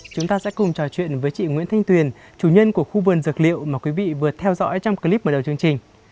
chúng ta sẽ cùng trò chuyện với chị nguyễn thanh tuyền chủ nhân của khu vườn dược liệu mà quý vị vừa theo dõi trong clip bắt đầu chương trình